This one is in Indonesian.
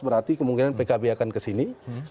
berarti kemungkinan pkb akan kesini